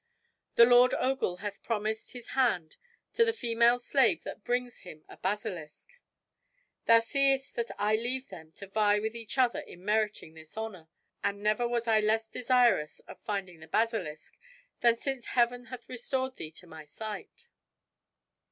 The Lord Ogul hath promised his hand to the female slave that brings him a basilisk. Thou seest that I leave them to vie with each other in meriting this honor; and never was I less desirous of finding the basilisk than since Heaven hath restored thee to my sight."